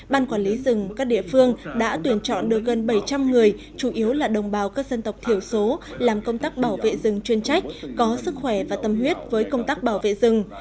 ban quản lý rừng các địa phương đã tuyển chọn được gần bảy trăm linh người chủ yếu là đồng bào các dân tộc thiểu số làm công tác bảo vệ rừng chuyên trách có sức khỏe và tâm huyết với công tác bảo vệ rừng